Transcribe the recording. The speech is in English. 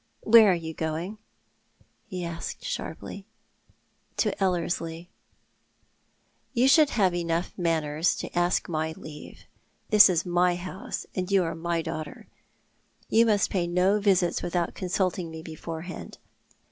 " Where are you going ?" he asked sharply. « To Ellerslie." " You should have had enough manners to ask my leave. This is my house, and you are my daughter. You must pay no visits without consulting me beforehand.